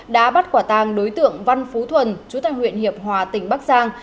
đã bắt quả tàng đối tượng văn phú thuần chú tại huyện hiệp hòa tỉnh bắc giang